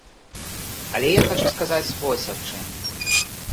Але я хачу сказаць вось аб чым.